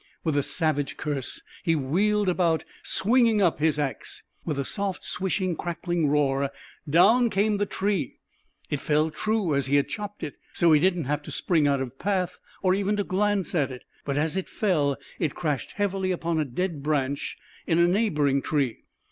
With a savage curse, he wheeled about, swinging up his axe. With a soft, swishing, crackling roar, down came the tree. It fell true, as he had chopped it, so he did not have to spring out of its path or even to glance at it. But, as it fell, it crashed heavily upon a dead branch in a neighboring tree.